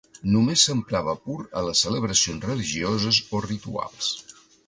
Només s'emprava pur a les celebracions religioses o rituals.